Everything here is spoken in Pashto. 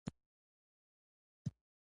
مرکزي بانک ډالر پمپ کوي.